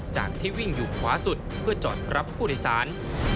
จากที่วิ่งอยู่ขวาสุดเพื่อจอดรับผู้โดยสาร